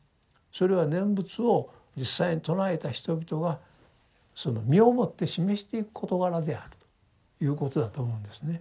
それは念仏を実際に称えた人々がその身をもって示していく事柄であるということだと思うんですね。